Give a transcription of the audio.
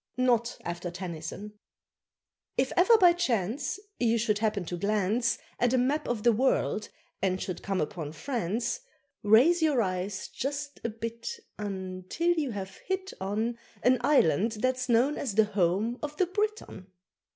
_ (NOT AFTER TENNYSON.) If ever by chance You should happen to glance At a map of the world, and should come upon France, Raise your eyes just a bit, un Till you have hit on, An Island that's known as the home of the Briton.